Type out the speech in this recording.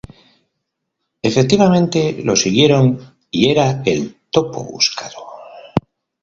Efectivamente lo siguieron y era el topo buscado.